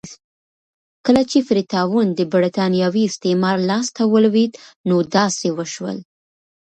کله چې فري ټاون د برېټانوي استعمار لاس ته ولوېد نو داسې وشول.